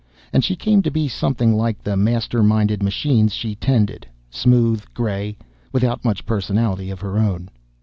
And she came to be something like the master minded machines she tended smooth, gray, without much personality of her own.